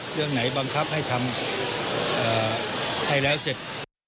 เรื่องไหนบังคับให้ทำให้แล้วเสร็จ